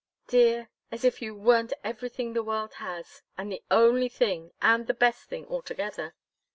"Dear as if you weren't everything the world has, and the only thing and the best thing altogether!"